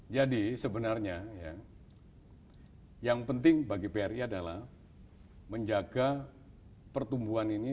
jadi sebenarnya yang penting bagi bri adalah menjaga pertumbuhan ini